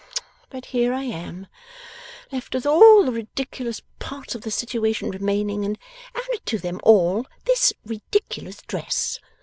But here I am, left with all the ridiculous parts of the situation remaining, and, added to them all, this ridiculous dress!